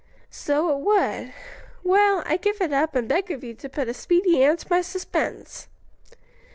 "So it would. Well, I give it up and beg of you to put a speedy end to my suspense."